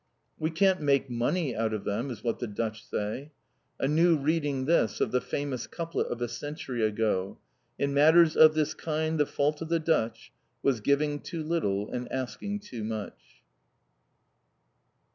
"We can't make money out of them!" is what the Dutch say. A new reading this, of the famous couplet of a century ago: In matters of this kind the fault of the Dutch, Was giving too little and asking too much.